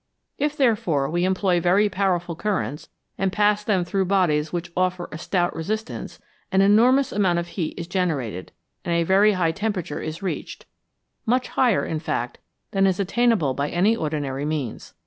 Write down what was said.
If, therefore, we employ very powerful currents, and pass them through bodies which offer a stout resistance, an enormous amount of heat is generated, and a very high temperature is reached, much higher, in fact, than is attainable by any ordinary methods.